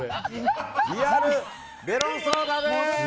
リアルメロンソーダです。